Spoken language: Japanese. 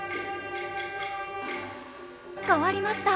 変わりました！